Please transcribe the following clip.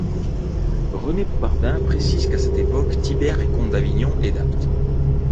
René Poupardin précise qu'à cette époque Thibert est comte d'Avignon et d'Apt.